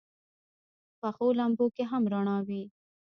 پخو لمبو کې هم رڼا وي